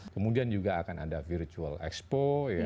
kemudian juga akan ada virtual expo ya